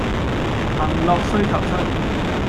行樂須及春。